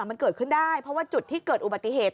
มันเกิดขึ้นได้เพราะว่าจุดที่เกิดอุบัติเหตุ